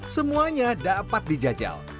semuanya dapat dijajal